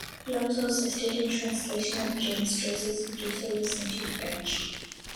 He also assisted in the translation of James Joyce's "Ulysses" into French.